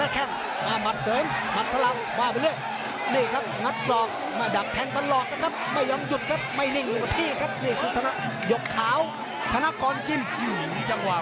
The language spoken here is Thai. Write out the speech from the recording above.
การยืนระยะคงเส้นคงวา